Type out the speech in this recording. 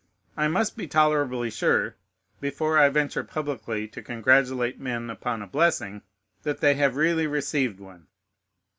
I must be tolerably sure, before I venture publicly to congratulate men upon a blessing, that they have really received one.